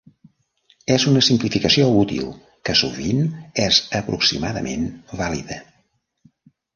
És una simplificació útil que sovint és aproximadament vàlida.